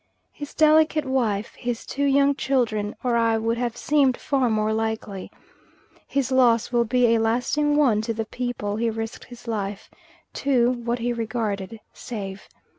His delicate wife, his two young children or I would have seemed far more likely. His loss will be a lasting one to the people he risked his life to (what he regarded) save.